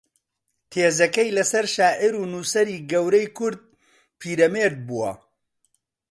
تێزەکەی لەسەر شاعیر و نووسەری گەورەی کورد پیرەمێرد بووە